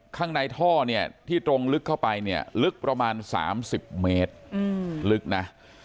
ข้างในท่อเนี่ยที่ตรงลึกเข้าไปเนี่ยลึกประมาณ๓๐เมตรลึกนะ